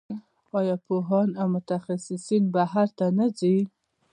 آیا پوهان او متخصصین بهر ته نه ځي؟